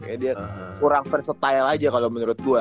kayaknya dia kurang versatile aja kalo menurut gue